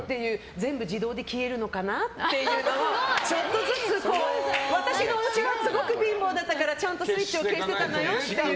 全部自動で消えるのかな？っていうのをちょっとずつ、私のおうちはすごく貧乏だったからちゃんとスイッチを消していたのよっていう。